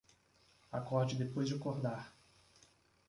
Acorde depois de acordar